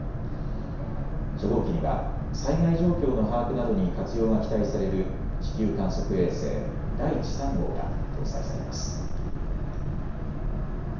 初号機には災害状況の把握などに活用が期待される地球観測衛星、だいち３号が搭載されます。